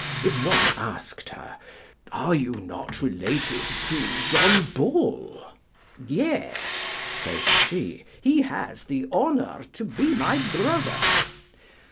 If one asked her, "Are you not related to John Bull?" "Yes," says she, "he has the honor to be my brother."